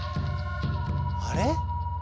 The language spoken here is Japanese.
あれ？